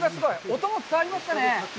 音も伝わりますかね？